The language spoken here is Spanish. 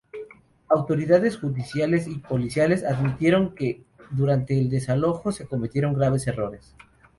Autoridades judiciales y policiales admitieron que durante el desalojo se cometieron graves errores.